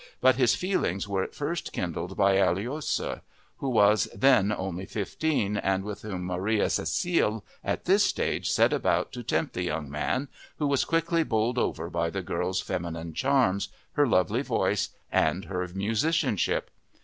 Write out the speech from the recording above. But his feelings were at first kindled by Aloysia, who was then only fifteen and with whom Maria Cäcilie at this stage set about to tempt the young man, who was quickly bowled over by the girl's feminine charms, her lovely voice, and her musicianship.